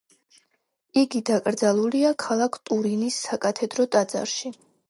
იგი დაკრძალულია ქალაქ ტურინის საკათედრო ტაძარში.